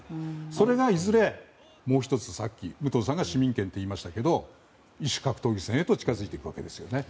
それが、いずれもう１つさっき武藤さんが市民権といいましたが異種格闘技戦へと近づいていくわけですよね。